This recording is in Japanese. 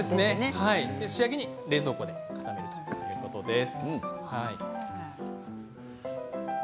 仕上げで冷蔵庫でということです。